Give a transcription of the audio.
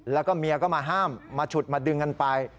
แล้วก็เมียก็มาห้ามมาฉุดมาดึงกันไป